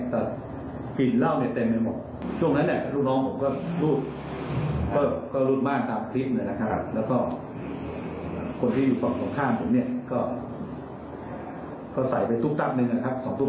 ใส่ไปตุ๊กตั๊บหนึ่งนะครับสองตุ๊กตั๊บซึ่งผมเนี่ยก็ห้ามไม่ทัน